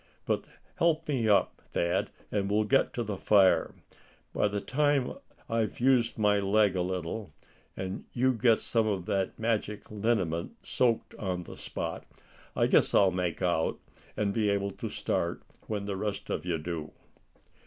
But help me up, Thad, and we'll get to the fire. By the time I've used my leg a little, and you get some of that magic liniment soaked on the spot, I guess I'll make out, and be able to start when the rest of you do."